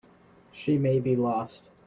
She may be lost.